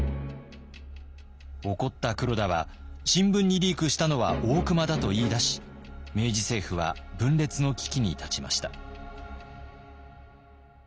怒った黒田は新聞にリークしたのは大隈だと言いだし明治政府は分裂の危機に立ちました。